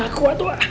gak kuat wak